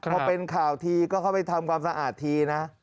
พอเป็นข่าวทีก็เข้าไปทำความสะอาดทีนะ